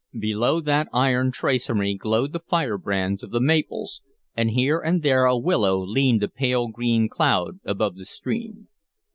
Below that iron tracery glowed the firebrands of the maples, and here and there a willow leaned a pale green cloud above the stream.